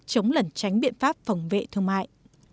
chống lẩn tránh biện pháp phòng vệ thương mại